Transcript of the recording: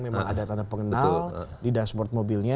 memang ada tanda pengenal di dashboard mobilnya